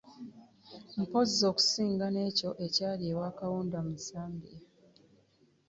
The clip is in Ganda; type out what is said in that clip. Mpozzi okusinga n'ekyo ekyali ewa Kaunda mu Zambia.